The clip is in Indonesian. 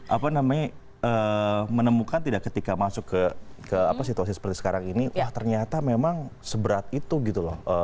apa namanya menemukan tidak ketika masuk ke situasi seperti sekarang ini wah ternyata memang seberat itu gitu loh